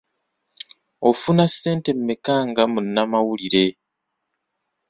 Ofuna ssente mmeka nga munnamawulire?